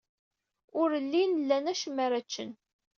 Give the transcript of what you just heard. Ur llin lan acemma ara ččen.